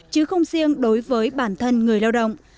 chứ không riêng đối với bản thân người lao động